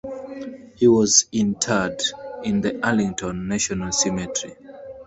He was interred in the Arlington National Cemetery.